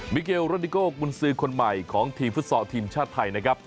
เกลโรดิโกกุญสือคนใหม่ของทีมฟุตซอลทีมชาติไทยนะครับ